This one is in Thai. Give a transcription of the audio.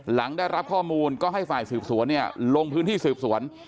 หลังได้รับข้อมูลก็ให้ฝ่ายสืบสวนเนี่ยลงพื้นที่สืบสวน